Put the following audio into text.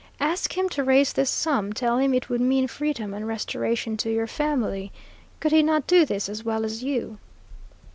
Ask him to raise this sum, tell him it would mean freedom and restoration to your family. Could he not do this as well as you?"